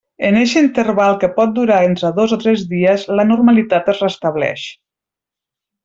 En eixe interval que pot durar entre dos o tres dies la normalitat es restableix.